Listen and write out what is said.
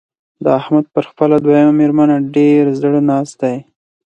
د احمد پر خپله دويمه مېرمنه ډېر زړه ناست دی.